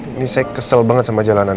ini saya kesel banget sama jalanan